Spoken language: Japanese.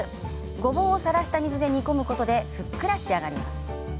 ゴボウをさらした水で煮込むことでふっくら仕上がります。